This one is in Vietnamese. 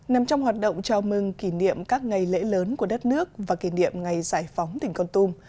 nằm trong hoạt động chào mừng kỷ niệm các ngày lễ lớn của đất nước và kỷ niệm ngày giải phóng tỉnh con tum